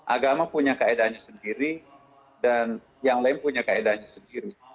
agama punya kaedahnya sendiri dan yang lain punya kaedahnya sendiri